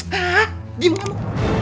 hah di rumahmu